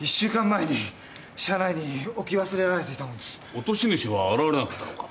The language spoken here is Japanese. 落とし主は現れなかったのか？